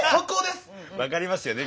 分かりますよね？